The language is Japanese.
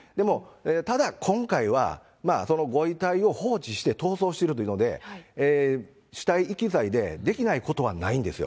ただ、今回はそのご遺体を放置して逃走しているというので、死体遺棄罪でできないことはないんですよ。